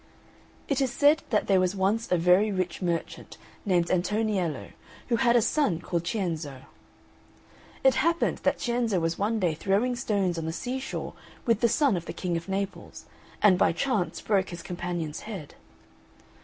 It is said that there was once a very rich merchant named Antoniello, who had a son called Cienzo. It happened that Cienzo was one day throwing stones on the sea shore with the son of the King of Naples, and by chance broke his companion's head.